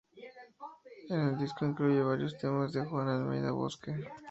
En el disco incluye varios temas de Juan Almeida Bosque.